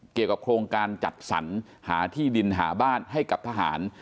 เกี่ยวกับโครงการจัดสรรหาที่ดินหาบ้านให้กับทหาร